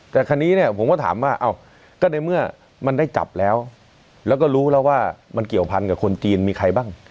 แต่คราวนี้เนี่ยผมก็ถามว่าก็ในเมื่อมันได้จับแล้วแล้วก็รู้แล้วว่ามันเกี่ยวพันกับคนจีนมีใครบ้าง